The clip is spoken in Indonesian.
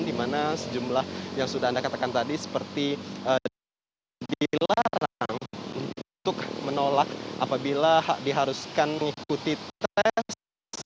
di mana sejumlah yang sudah anda katakan tadi seperti dilarang untuk menolak apabila diharuskan mengikuti tes